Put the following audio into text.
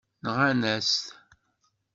Nɣan-as-t.